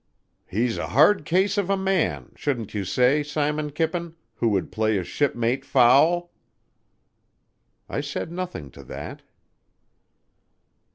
"He's a hard case of a man, shouldn't you say, Simon Kippen, who would play a shipmate foul?" I said nothing to that.